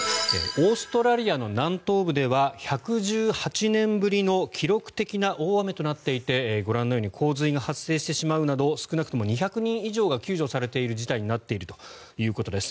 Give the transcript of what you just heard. オーストラリアの南東部では１１８年ぶりの記録的な大雨となっていてご覧のように洪水が発生してしまうなど少なくとも２００人以上が救助されている事態になっているということです。